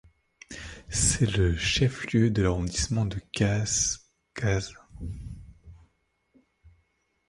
C'est le chef-lieu de l'arrondissement de Cas-Cas.